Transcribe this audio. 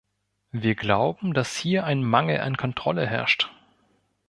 Wir glauben, dass hier ein Mangel an Kontrolle herrscht.